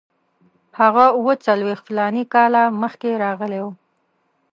هغه اوه څلوېښت فلاني کاله مخکې راغلی وو.